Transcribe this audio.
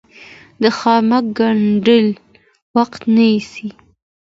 د خامک ګنډل وخت نیسي